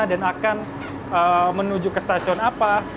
dan akan menuju ke stasiun apa